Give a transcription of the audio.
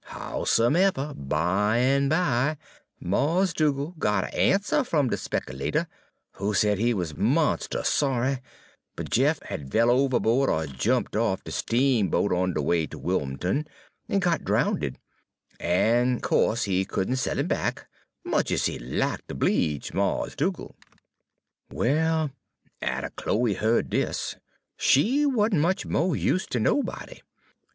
Howsomeber, bimeby Mars' Dugal' got a' answer fum de spekilater, who said he wuz monst'us sorry, but Jeff had fell ove'boa'd er jumped off'n de steamboat on de way ter Wim'l'ton, en got drownded, en co'se he could n' sell 'im back, much ez he'd lack ter 'bleedge Mars' Dugal'. "Well, atter Chloe heared dis, she wa'n't much mo' use ter nobody.